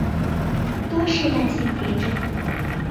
多世代性蝶种。